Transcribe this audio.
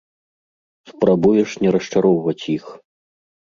Спрабуеш не расчароўваць іх.